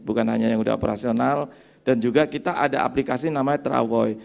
bukan hanya yang sudah operasional dan juga kita ada aplikasi namanya travoy